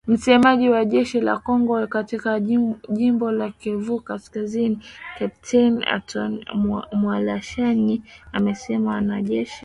Msemaji wa jeshi la Kongo katika jimbo la Kivu Kaskazini, Kepteni Antony Mualushayi, amesema wanajeshi waliwaua wapiganaji kumi na moja